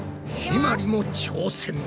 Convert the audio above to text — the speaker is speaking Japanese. まりも挑戦だ。